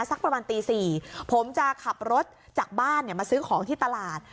สักประมาณตี๔ผมจะขับรถจากบ้านมาซื้อของที่ตลาด